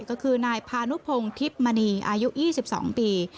ก็คือนายพานุพงศ์ทิพย์มณีอายุ๒๒ปี